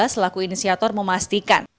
selaku inisiator memastikan